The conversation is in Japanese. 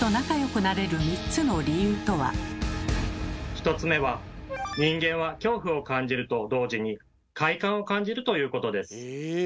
１つ目は人間は恐怖を感じると同時に快感を感じるということです。